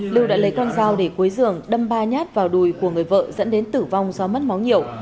lưu đã lấy con dao để quấy dường đâm ba nhát vào đùi của người vợ dẫn đến tử vong do mất máu nhiều